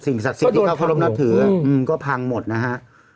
สิ่งศักดิ์สิบอีก๙ข้อรมณ์หน้าถืออ่ะอืมก็พังหมดนะฮะ